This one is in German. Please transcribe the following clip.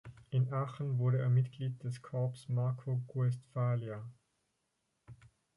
In Aachen wurde er Mitglied des Corps Marko-Guestphalia.